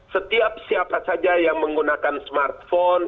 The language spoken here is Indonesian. setiap siapa saja yang menggunakan smartphone